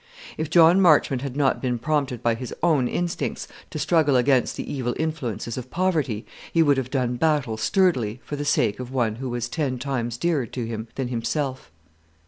If John Marchmont had not been prompted by his own instincts to struggle against the evil influences of poverty, he would have done battle sturdily for the sake of one who was ten times dearer to him than himself.